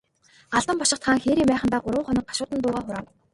Галдан бошигт хаан хээрийн майхандаа гурван хоног гашуудан дуугаа хураав.